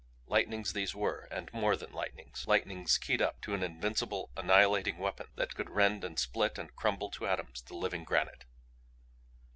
Lightnings these were and more than lightnings; lightnings keyed up to an invincible annihilating weapon that could rend and split and crumble to atoms the living granite.